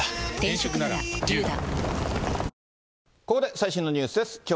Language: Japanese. ここで最新のニュースです。